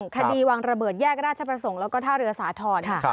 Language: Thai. คดีวางระเบิดแยกราชประสงค์แล้วก็ท่าเรือสาธรณ์ค่ะ